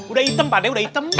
udah item pade udah item